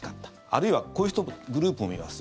あるいはこういうグループもいます。